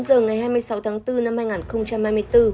đến một mươi bốn h ngày hai mươi sáu tháng bốn năm hai nghìn hai mươi bốn